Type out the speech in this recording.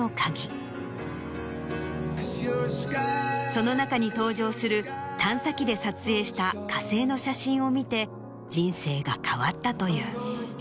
その中に登場する探査機で撮影した火星の写真を見て人生が変わったという。